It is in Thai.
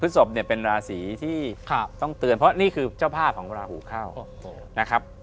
ศพเนี่ยเป็นราศีที่ต้องเตือนเพราะนี่คือเจ้าภาพของราหูเข้านะครับ